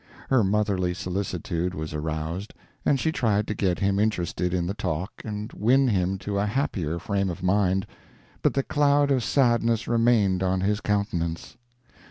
Her motherly solicitude was aroused, and she tried to get him interested in the talk and win him to a happier frame of mind, but the cloud of sadness remained on his countenance.